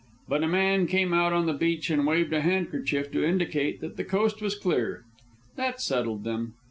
But a man came out on the beach and waved a handkerchief to indicate that the coast was clear. That settled them.